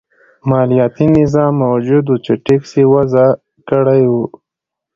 مالیاتي نظام موجود و چې ټکس یې وضعه کړی و.